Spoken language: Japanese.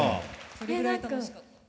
それぐらい楽しかった。